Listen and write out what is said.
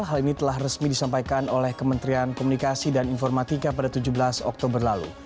hal ini telah resmi disampaikan oleh kementerian komunikasi dan informatika pada tujuh belas oktober lalu